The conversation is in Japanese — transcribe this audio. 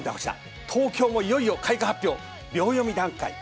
東京も、いよいよ開花発表秒読み段階。